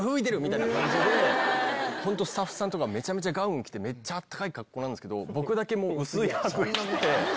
ホントスタッフさんとかめちゃめちゃガウン着てめっちゃ暖かい格好なんですけど僕だけ。